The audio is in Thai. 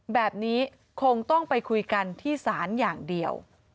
แบบนี้คงต้องไปคุยกันที่ศาลอย่างเดียว